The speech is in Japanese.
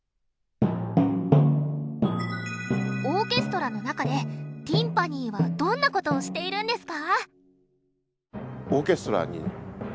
オーケストラの中でティンパニーはどんなことをしているんですか？